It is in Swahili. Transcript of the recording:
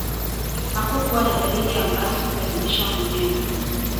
hakukuwa na dalili ya Mbati kubadilisha mwenendo